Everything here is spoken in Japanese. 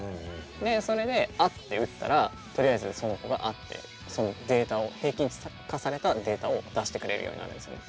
でそれで「あ」って打ったらとりあえずその子が「あ」ってそのデータを平均値化されたデータを出してくれるようになるんですね。